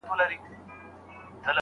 د خاوند او ميرمني تر منځ بل حق ميراث دی.